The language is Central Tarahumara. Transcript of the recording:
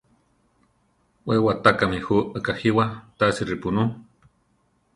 We watákami jú akajíwa, tasi ripunú.